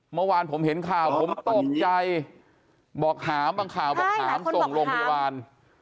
เมื่อวานผมเห็นข่าวผมตกใจบอกหามบางข่าวบอกหามส่งโรงพยาบาล